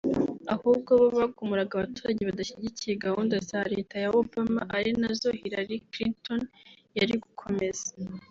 Ahubwo bo bagumuraga abaturage badashyigikiye gahunda za Leta ya Obama ari nazo Hillary Clinton yari gukomeza